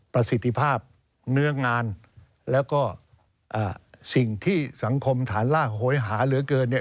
ประสิทธิภาพเนื้องานแล้วก็สิ่งที่สังคมฐานล่าโหยหาเหลือเกินเนี่ย